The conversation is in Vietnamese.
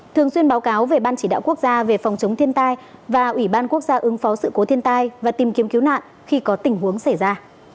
thường xuyên báo cáo về ban chỉ đạo quốc gia về phòng chống thiên tai và ủy ban quốc gia ứng phó sự cố thiên tai và tìm kiếm cứu nạn khi có tình huống xảy ra